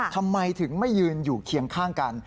ทำไมถึงไม่ยืนอยู่เคียงข้างกัน